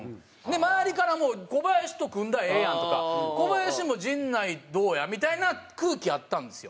周りからも「コバヤシと組んだらええやん」とか「コバヤシも陣内どうや？」みたいな空気あったんですよ。